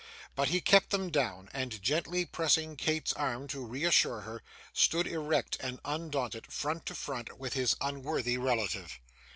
But he kept them down, and gently pressing Kate's arm to reassure her, stood erect and undaunted, front to front with his unworthy relative.